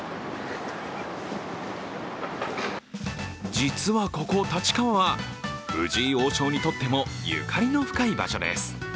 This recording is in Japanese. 実はここ立川は藤井王将にとってもゆかりの深い場所です。